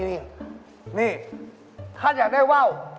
นี่ท่านอยากได้เว้า